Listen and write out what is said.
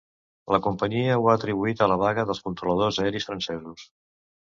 La companyia ho ha atribuït a la vaga dels controladors aeris francesos.